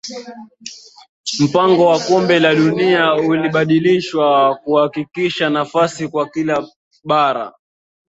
mpango wa kombe la dunia ulibadilishwa kuhakikisha nafasi kwa kila bara